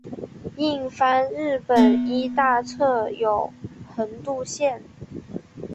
印幡日本医大侧有横渡线。